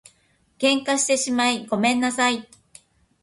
喧嘩してしまいごめんなさい